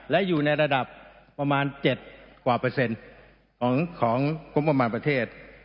และอยู่ในระดับประมาณ๗กว่าเปอร์เซ็นต์ของงบประมาณประเทศ